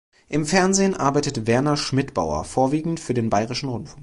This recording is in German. Im Fernsehen arbeitet Werner Schmidbauer vorwiegend für den Bayerischen Rundfunk.